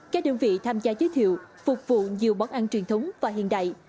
các đơn vị tham gia giới thiệu phục vụ nhiều món ăn truyền thống và hiện đại